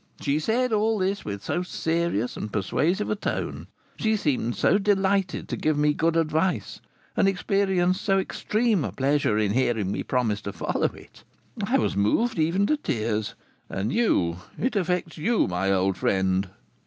she said all this with so serious and persuasive a tone. She seemed so delighted to give me good advice, and experienced so extreme a pleasure in hearing me promise to follow it! I was moved even to tears; and you, it affects you, my old friend."